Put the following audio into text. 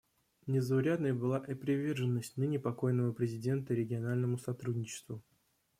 Незаурядной была и приверженность ныне покойного президента региональному сотрудничеству.